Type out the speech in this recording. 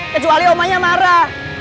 kecuali omanya marah